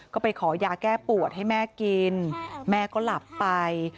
ก็ไปขอยาแก้ปวดให้แม่กินแม่ก็หลับไป